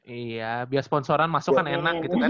iya biar sponsoran masuk kan enak gitu kan